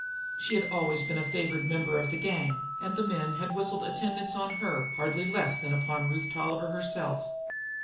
She had always been a favored member of the gang, and the men had whistled attendance on her hardly less than upon Ruth Tolliver herself.